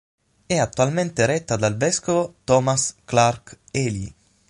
È attualmente retta dal vescovo Thomas Clark Ely.